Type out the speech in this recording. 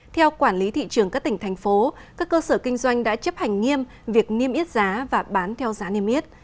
theo quản lý thị trường các tỉnh thành phố các cơ sở kinh doanh đã chấp hành nghiêm việc niêm yết giá và bán theo giá niêm yết